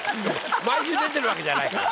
毎週出てるわけじゃないから。